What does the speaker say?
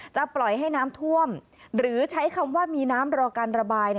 ปล่อยให้น้ำท่วมหรือใช้คำว่ามีน้ำรอการระบาย